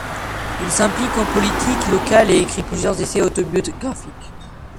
Il s'implique en politique locale et écrit plusieurs essais autobiographiques.